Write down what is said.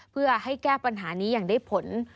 เพื่อให้แก้ปัญหานี้อย่างได้ผล